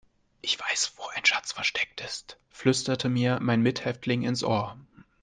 "Ich weiß, wo ein Schatz versteckt ist", flüsterte mir mein Mithäftling ins Ohr.